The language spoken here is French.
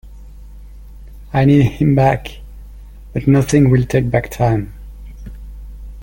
I need him back, but nothing will take back time.